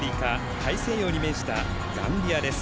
大西洋に面したガンビアです。